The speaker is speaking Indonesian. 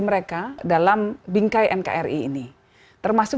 mereka dalam bingkai nkri ini termasuk